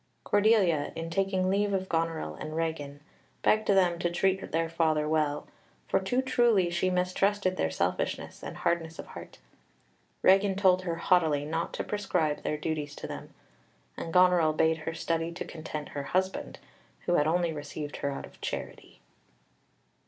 Cordelia, in taking leave of Goneril and Regan, begged them to treat their father well, for too truly she mistrusted their selfishness and hardness of heart. Regan told her haughtily not to prescribe their duties to them; and Goneril bade her study to content her husband, who had only received her out of charity.